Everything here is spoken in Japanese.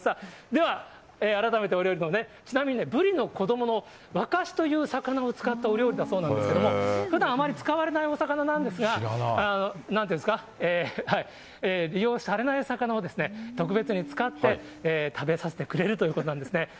では、改めてお料理のほう、ちなみにブリの子どものワカシという魚を使ったお料理だそうなんですけれども、ふだんあまり使われないお魚なんですが、なんというんですか、利用されない魚を、特別に使って食べさせてくれるということなんですね。